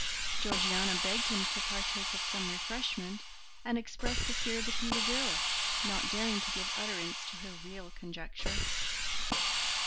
Georgiana begged him to partake of some refreshment, and expressed a fear that he was ill, not daring to give utterance to her real conjecture.